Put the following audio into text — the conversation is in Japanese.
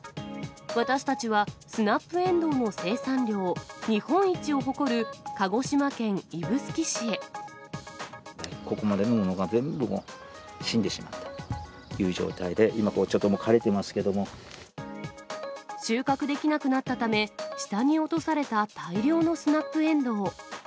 私たちはスナップエンドウの生産量日本一を誇る、鹿児島県指宿市ここまでのものが、全部死んでしまったという状態で、今、ここ、ちょっと枯れてますけれど収穫できなくなったため、下に落とされた大量のスナップエンドウ。